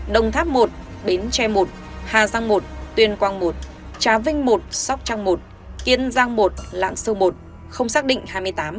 đồng tháp một bến tre một hà giang một tuyên quang một trá vinh một sóc trang một kiên giang một lạng sâu một không xác định hai mươi tám